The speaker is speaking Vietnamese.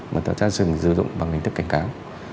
mà chúng ta dùng dự dụng bằng hình thức cảnh cáo